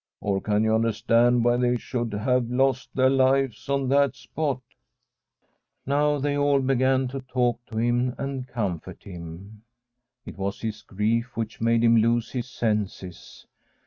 Or can you understand why they should have lost their lives on that spot ?' Now they all began to talk to him and com fort him. It was his grief which made him lose his senses.